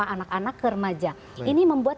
anak anak ke remaja ini membuat